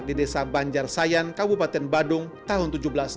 di desa banjar sayan kabupaten badung tahun seribu tujuh ratus tujuh puluh